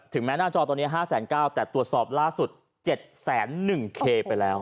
แม้หน้าจอตอนนี้๕๙๐๐แต่ตรวจสอบล่าสุด๗๑๐๐เคไปแล้ว